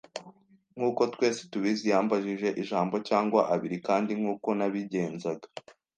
nkuko twese tubizi, yambajije ijambo cyangwa abiri, kandi nkuko nabigenzaga